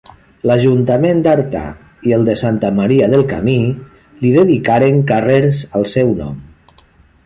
L'ajuntament d'Artà i el de Santa Maria del Camí li dedicaren carrers al seu nom.